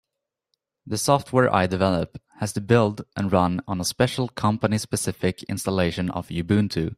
The software I develop has to build and run on a special company-specific installation of Ubuntu.